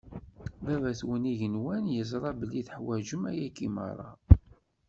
Baba-twen n igenwan yeẓra belli teḥwaǧem ayagi meṛṛa.